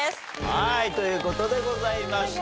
はいという事でございました。